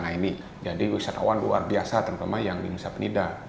nah ini jadi wisatawan luar biasa terutama yang di nusa penida